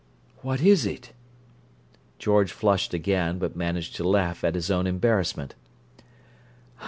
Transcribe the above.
"What is it?" George flushed again, but managed to laugh at his own embarrassment.